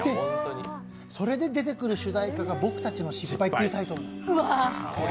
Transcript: それで出てくる主題歌が「ぼくたちの失敗」というタイトル。